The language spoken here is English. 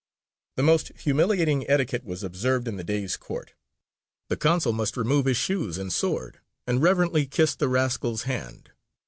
The most humiliating etiquette was observed in the Dey's court: the consul must remove his shoes and sword, and reverently kiss the rascal's hand.